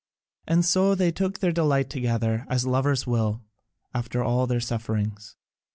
And so they took their delight together, as lovers will, after all their sufferings.